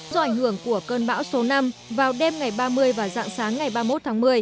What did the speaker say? do ảnh hưởng của cơn bão số năm vào đêm ngày ba mươi và dạng sáng ngày ba mươi một tháng một mươi